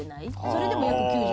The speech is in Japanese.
それでも約９５％。